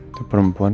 ini itu perempuan